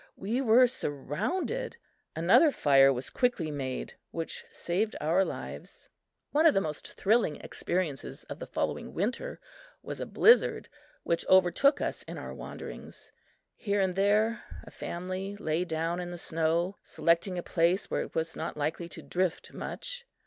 We were surrounded. Another fire was quickly made, which saved our lives. One of the most thrilling experiences of the following winter was a blizzard, which overtook us in our wanderings. Here and there, a family lay down in the snow, selecting a place where it was not likely to drift much.